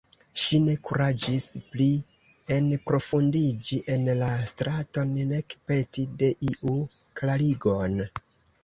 Ŝi ne kuraĝis pli enprofundiĝi en la straton, nek peti de iu klarigon.